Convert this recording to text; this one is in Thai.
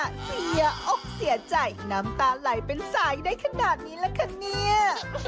เสียอกเสียใจน้ำตาไหลเป็นสายได้ขนาดนี้ล่ะคะเนี่ย